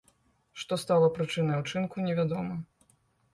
Што стала прычынай учынку, невядома.